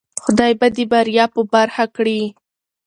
خدای به دی بریا په برخه کړی